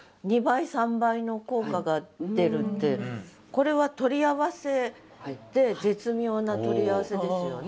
これは取り合わせで絶妙な取り合わせですよね。